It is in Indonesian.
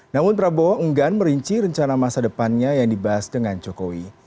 namun prabowo enggan merinci rencana masa depannya yang dibahas dengan jokowi